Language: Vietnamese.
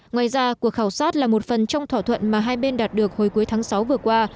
ngoài ra cuộc khảo sát là một phần trong thỏa thuận mà hai bên đạt được hồi cuối tháng sáu vừa qua